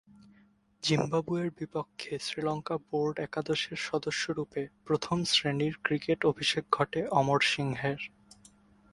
জিম্বাবুয়ের বিপক্ষে শ্রীলঙ্কা বোর্ড একাদশের সদস্যরূপে প্রথম-শ্রেণীর ক্রিকেটে অভিষেক ঘটে অমর সিংহের।